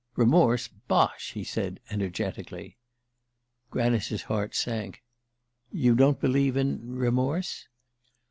"Remorse? Bosh!" he said energetically. Granice's heart sank. "You don't believe in _remorse?